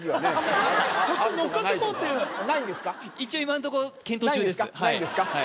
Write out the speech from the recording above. ないんですか？